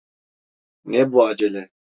Ne bu acele?